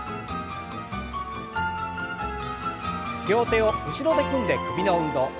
両手を後ろで組んで首の運動。